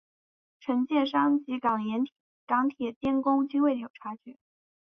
承建商及港铁监工均未有察觉。